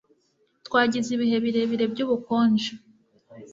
Twagize ibihe birebire byubukonje.